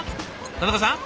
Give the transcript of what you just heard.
田中さん？